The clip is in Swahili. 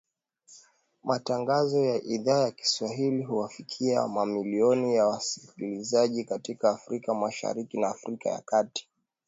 Matangazo ya Idhaa ya Kiswahili huwafikia mamilioni ya wasikilizaji katika Afrika Mashariki na Afrika ya kati.